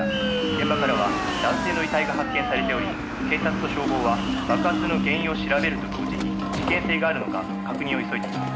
「現場からは男性の遺体が発見されており警察と消防は爆発の原因を調べると同時に事件性があるのか確認を急いでいます」